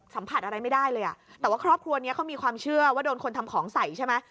สัมผัสอะไรไม่ได้เลยอ่ะแต่ว่าครอบครัวนี้เขามีความเชื่อว่าโดนคนทำของใส่ใช่ไหม